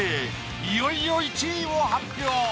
いよいよ１位を発表！